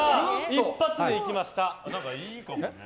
一発でいきました。